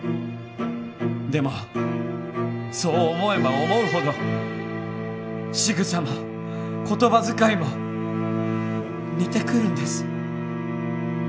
でもそう思えば思うほどしぐさも言葉遣いも似てくるんです。